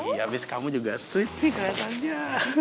iya abis kamu juga sweet sih kelihatannya